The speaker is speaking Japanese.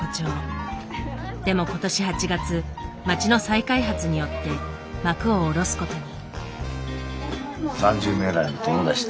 でも今年８月街の再開発によって幕を下ろすことに。